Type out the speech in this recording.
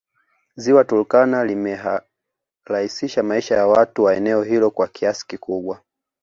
Ziwa Turkana limerahisisha maisha wa watu wa eneo hilo kwa kiasi kikubwa